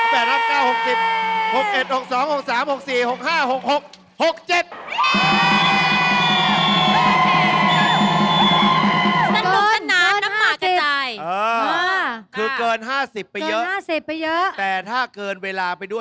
พร้อมนานแล้ว